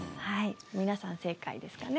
皆さん正解ですかね。